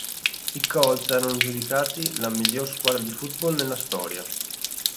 I Colts erano giudicati "la miglior squadra di football nella storia".